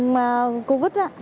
bệnh nhân covid một mươi chín